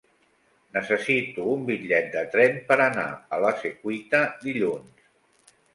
Necessito un bitllet de tren per anar a la Secuita dilluns.